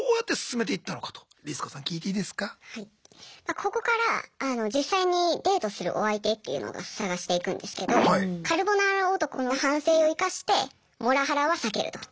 ここから実際にデートするお相手っていうのが探していくんですけどカルボナーラ男の反省を生かしてモラハラは避けると。